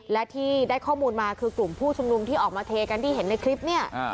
และที่ได้ข้อมูลมาคือกลุ่มผู้ชุมนุมที่ออกมาเทกันที่เห็นในคลิปเนี่ย